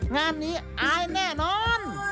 งานนี้อายแน่นอน